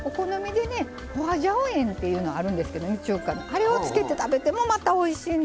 あれをつけて食べてもまたおいしいんですわ。